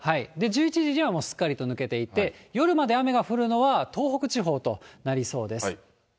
１１時にはすっかりと抜けていって、夜まで雨が降るのは、東北地方となりそうです。